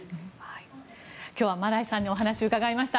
今日はマライさんにお話を伺いました。